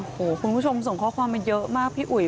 โอ้โหคุณผู้ชมส่งข้อความมาเยอะมากพี่อุ๋ย